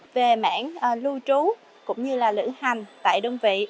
về mảng lưu trú cũng như là lữ hành tại đơn vị